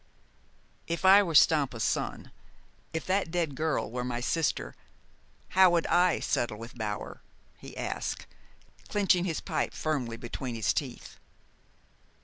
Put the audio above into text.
"If I were Stampa's son, if that dead girl were my sister, how would I settle with Bower?" he asked, clenching his pipe firmly between his teeth.